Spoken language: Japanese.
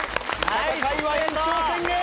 戦いは延長戦へ！